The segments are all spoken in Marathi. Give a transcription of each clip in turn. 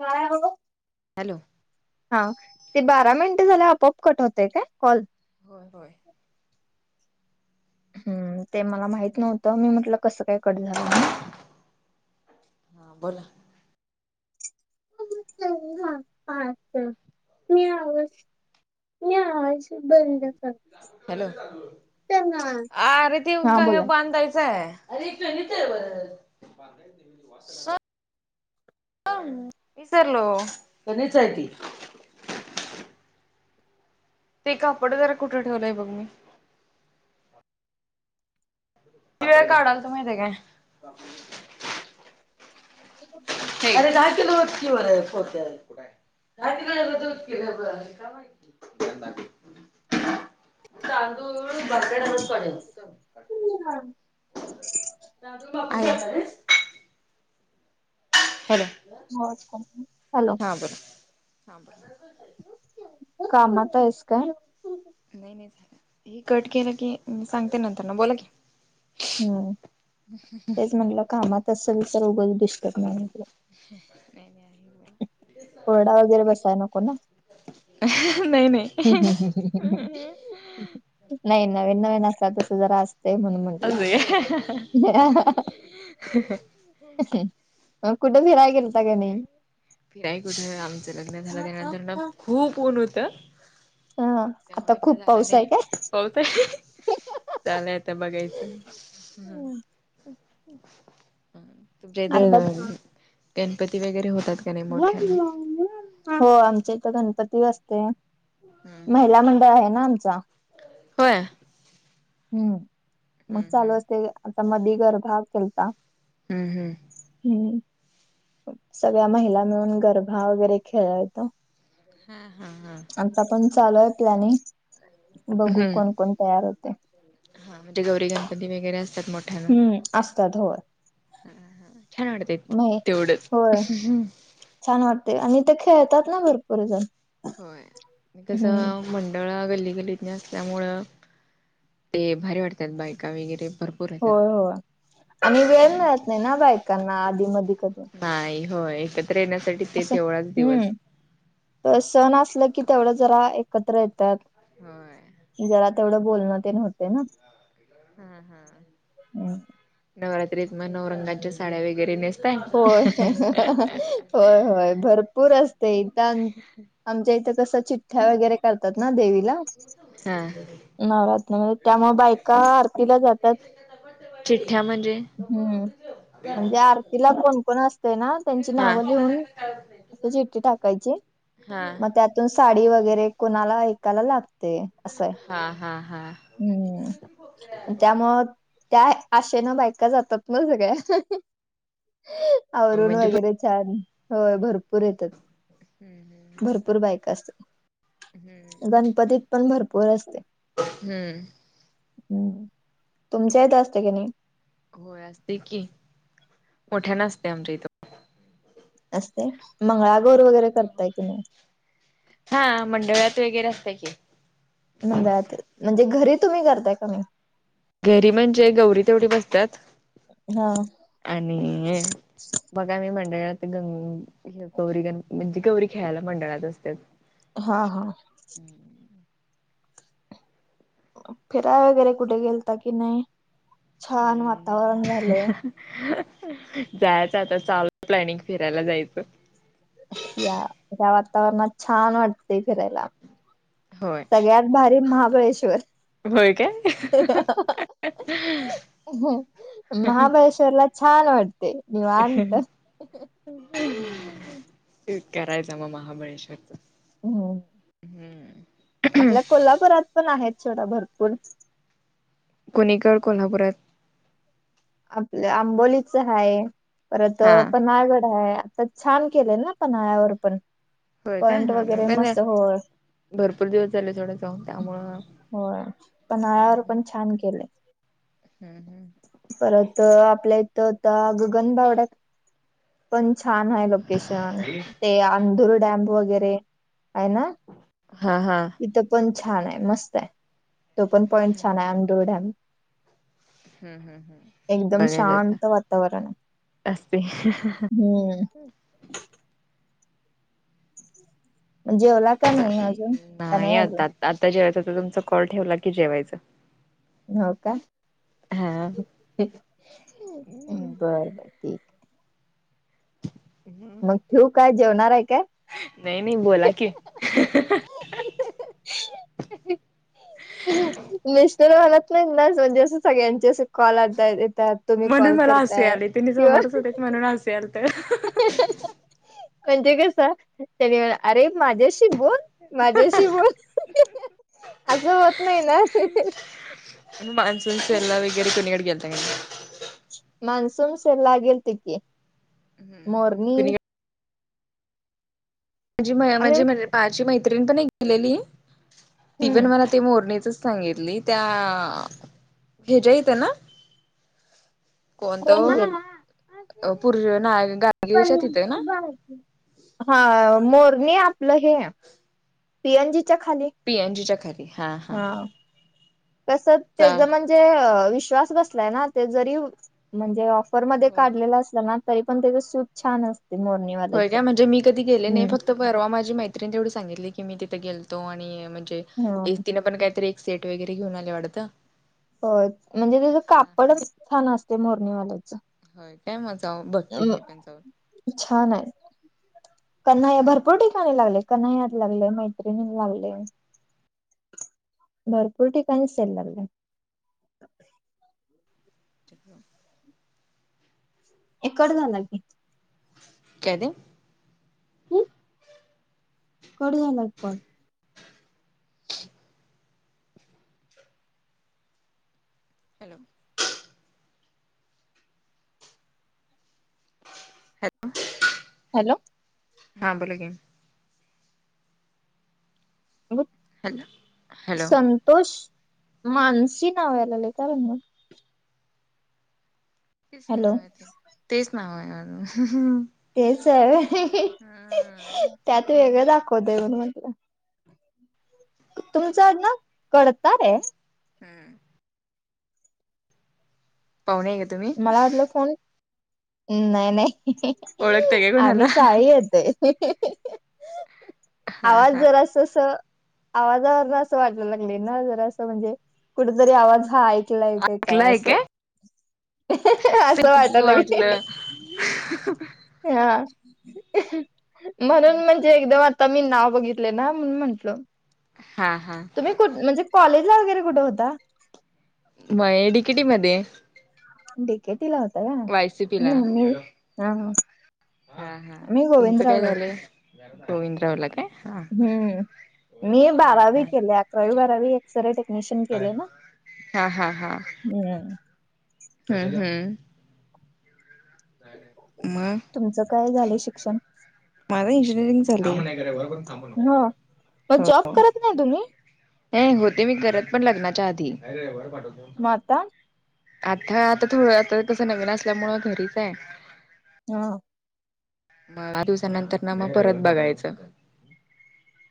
काय हो. हॅलो! हा ते बारा मिनिटं झाल्या आपोआप कट होत काय कॉल. होय होय. हम् ते मला माहित नव्हतं मी म्हटलं कसं काय कट झालं म्हणुन. हा बोला? अचछ मवज नवाज [inaudible] बंद करते. हॅलो! ना अरे ते हा का हे बोला की बांधायचं आहे. बर विसरलो गणी साठी. ते कपड जरा कुठं ठेवलंय बघ मी. त वळ काढाल तु माही ते काय [inaudible] आपण [inaudible] अरे राजातला ओत्कवर फते क [inaudible] ंद तांदूळ बगगड पडेल. तरण बघ काही का र [unintelligible] हॅलो! Watch company hello! सांग कामात आहेस काय नाही नाही हे कट केलं की सांगते नंतर ना बोला की हम्म तेच म्हटलं कामात असेल तर उगंच डिस्टर्ब नाही म्ह नाही नाही ओरडा वगैरे आ बसाय नको बोला नाही नाही ह नाही नवीन नवीन असं तस जरा असते म्हणून मग अरे फिराय हा हा कुठ फिरायला गेलतो? फिराई कुठे आमचं लग्न झालं त्यानंतर ना खूप ऊन होत हा आता खूप पाऊस आहे काय? पाऊस आहे चालले आता बघायचं तुमच्या आता इथ गणपती वगैरे होतात का नाही मोठ्याना हो आमच्या इथ गणपती असते होय हम्म मग हम्म चालू हम्म असते आता मधी गर्भा केलता हम्म हम्म नाही सगळ्या महिला मिळून गरभा वगैरे खेळ यतो हा हा हा आता पण चालूय आपल्यानी बघू हम्म कोण कोण तयार होत हा म्हणजे गौरी गणपती वगैरे असतात मोठ्याना हम्म असतात हो. छान वाटतय तेवढंच होय छान वाटते आणि ते खेळतात ना भरपूर जण. होय हम्म कसं मंडळा गल्ली गली ल्यामुळे ते भारी वाटतात बायका वगैरे भरपूर येतात होय होय आणि वेळ मिळत नाही ना बायकांना आधी मधी कधी. नाही हो एकत्र येण्यासाठी ते असं तेवढाच हम्म दिवस तर सण असलं की तेवढं जरा एक एकत्र येतात होय जरा तेवढं बोलणं ते होतंय ना हा हा नवरात्रीत मग नऊ रंगाच्या साड्या वगैरे नेस होय होय होय भरपूर असते इथ आमच्या इथं कस चिठ्ठ्या वगैरे करतात ना देवीला हा नवरात्रमध्ये त्यामुळ बायका आरतीला जातात चिठ्ठ्या म्हणजे हम्म म्हणजे तिला कोणकोण असते ना त्यांची हा. नावं लिहून अस चिटी टाकायची मग त्यात साडी वगैरे कोणाला ऐकायला लागते असंय हा हा हा हा हम्म त्यामुळ त्या आशेन बायका जातात ना सगळ्या आवरुून म्हणजे वगैरे छान होय भरपूर येतात हम्म हम्म भरपूर बायका असत्यात. हम्म हम्म. गणपतीत पण भरपूर असते. हम्म हम्म तुमच्या इथ असते की नाही? होय असते की मोठ्यानं असतय आमच्या इथ. असतय मंगळागोर वगैरे करताय की नाही? हा मंडळात वगैरे असतय की मंडळात म्हणजे घरी तुम्ही करताय कणी? घरी म्हणजे गौरी तेवढी बसत्यात. हा आणि ये बघा मी मंडळात ग गौरी गण म्हणजे गौरी खेळायला मंडळात असत्यात. हा हा फिराय वगैरे कुठे गेलता कि नाही. छान वातावरण झालेय. जायच आता चालुय प्लॅनिंग फिरायला जायच. या या वातावरणात छान वाटते फिरायला. होय सगळ्यात भारी महाबळेश्वर. होय काय महाबळेश्वर ला छान वाटतय निवांत. करायच म महाबळेश्वरच. हम्म हम्म आपल्या कोल्हापुरात पण आहेत सोडा भरपूर. कुणीकड कोल्हापुरात. आपल आंबोलीच आहे. परत हा पन्हाळगड आहे. तर छान केलेय पन्हाळ्यावर पण. होय काय पॉइंट हा वगैरे मग पण मस्त हो भरपूर दिवस झाले सोडा जाऊन त्यामुळं हम्म होय पन्हाळ्यावर पण छान केले. हम्म हम्म परत आपल्या इथ आता गगनबावड्यात पण छान आहे लोकेशन‌. ते अंधूर डॅम वगैरे आहे ना हा हा तिथ पण छान आहे. मस्त आहे. तो पण पॉइंट छान आहे अंंदूर डॅम. हम्म हम्म हम्म एकदम बघायच आता. शांत वातावरण आहे असते हम्म जेवला का अजून? का नाही नाही अजून आता, आता जेवायच आता तुमचा कॉल ठेवला की जेवायच. हो का नाही बर बर ठीक आहे. मग ठेऊ काय? जेवणार आहे काय? नाही नाही बोला की. [unintelligible] तर म्हणत नाही ना, म्हणजे अस सगळ्यांचे अस कॉल आता येतात. तुम्ही म्हणून कॉल मला हसू करताय आले. तेनी किंवा समोरच होते म्हणून हसू यालत. म्हणजे कस, त्या वेळ अरे माझ्याशी बोल. माझ्याशी बोल. अस होत नाही ना. मान्सून सेलला वगैरे कोणीकडे गेलता की नाही. मान्सून सेलला गेलते की. मोरणी कुणीकडे आम्ही म्हणजे म्हणजे माझी मैत्रिण पण एक गेलेली. ती पण हम्म मला ते मोरणीचच सांगितली. त्या ह्याच्या इथ ना कोणत कोण गेल ओ, पू ना गाडगीळ च्या तिथे ना. हा मोरणी आपल हे पी एन जी च्या खाली. पी एन जी च्या खाली. हा हा हा कस त्याचा म्हणजे विश्वास बसलाय ना, ते जरी म्हणजे ऑफर मध्ये होय काढलेला असला ना, तरी पण त्याच सूत छान असते. मोरणी होय का, म्हणजे मी कधी गेले नाही. फक परवा माझी मैत्री तेवढी सांगितली की मी तिथे गेलतो. आणि म्हणजे हा तिने पण काहीतरी सेट वगैरे घेऊन आले वाढतं. हो म्हणजे त्याचं कापडच छान असते मोरणीवाल्याच. होय काय? मग जाऊन अ बघते मी पण जाऊन. छान आहे. कन्हया भरपूर ठिकाणी लागलय कन्हयात लागल मैत्रिणीत लागलय. भरपूर ठिकाणी सेल लागलाय. [inaudible] ए कट झाला की. काय ते? हम्म - कट झाला एक कॉल. हॅलो! हॅलो! हॅलो! हा बोला की. अबग हॅलो हॅलो संतोष मानसी नाव यायलय काय भानगड? तेच हॅलो नाव येतय. तेच नाव आहे माझ. तेच आहे होय. त्यात हम्म वेगळं दाखवतंय म्हणून म्हटलं. तुमच आडनाव गडतारे आहे? हम्. पावणेे येत - - मला वाटल फोन नाही -नाही ओळखताय काय कोणाला आम्ही हा साळी येतोय. आवाज हा जरा स असं आवाजावरन असं वाटाय लागलय ना? जरा असं म्हणजे कुठतरी आवाज हा ऐक कलंय का काय असं. असं तसच वाटय लागलय. वाटलं हा म्हणून म्हणजे की दम आता मी नाव बघितले ना म्हणू म्हंटलं. हा हा. तुम्ही कु म्हणजे कॉलेज ला वगैरे कुठ होता? ब ये डी के टी मध्ये. डी के टी ला होता होय वायसीपीला [unintelligible] मी हा - हा हा हा मी तुमचं काय गोविंदरावला झालंय? गोविंदरावला काय? हा हम्म मी हा बारावी हा केले. अकरावी बारावी सरळ टेक्निशियन केले ना? हा हा हा हम्म. हम् हम्म. मग? तुमचं काय झालंय शिक्षण? माझ इंजिनीयरिंग झालंय. ह. मग जॉब करत नाही तुम्ही? हे होते मी करत. पण लग्नाच्या आधी. म आता? आता आता थोडं आता कसं नविन असल्यामुळं घरीच आहे. हा. मग आ दिवसानंतर न मग परत बघायचं.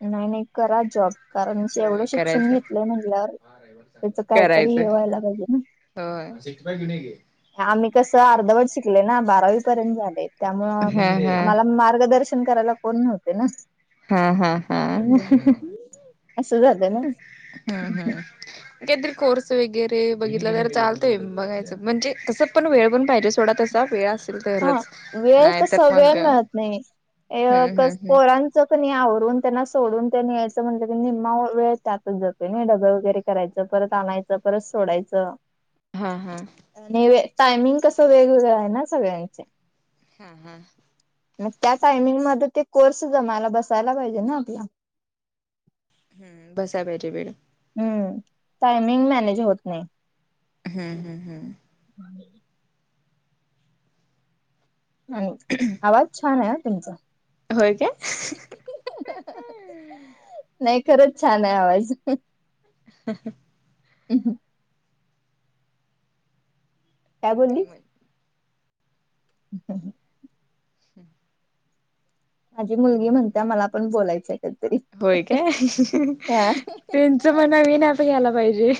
नाही नाही करा जॉब. कारण होय एवढं शिक्षण करायचं घेतलंय म्हणल्यावर त्याच कायतरी करायचं हे व्हायला पाहिजे ना होय आम्ही कसं अर्धवट शिकले ना बारावी पर्यंत झाले त्यामुळं हा हा आम्हाला मार्गदर्शन करायला कोण नव्हते ना हा हा हा हा हम्म. असं झालं ना हा काहीतरी कोर्स वगैरे बघितलं तर चालतोय बघायचं म्हणजे तसं पण वेळ पण पाहिजे सोडा तसा वेळ अस हा वेळ तस वेळ मिळत नाही ये हम्म हम्म कस हम्म पोरां पोरांचं कणी आवरून त्यांना सोडून तेन यायचं म्हटलं की निम्मा वेळ त्यातच जातोय डब्बे वगैरे करायच परत आणायचं परत सोडायचं हा हा. आणि टायमिंग कसं वेगवेगळं आहे ना सगळ्यांच्या हा हा. मग त्या टायमिंग मध्ये ते कोर्स जमायला, बसायला पाहिजे ना आपला हम्म बसाय पाहिजे वेळ हम्म.. टायमिंग मॅनेज होत नाही. हम् हम् हम्. हे. हंम्! आवाज छान आहे हा तुमचा. काय ते? नाही खरच छाना आहे आवाज! काय बोली? ह ह. हम्. माझी मुलगी म्हणत्या मला पण बोलायचं आहे कधीतरी. होय काय? हा त्यांचं म नवीन अँप घ्यायला पाहिजे